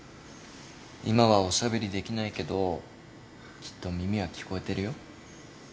今はおしゃべりできないけどきっと耳は聞こえてるよ。